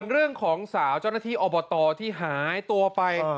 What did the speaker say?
เรื่องของสาวเจ้าหน้าที่อบตที่หายตัวไป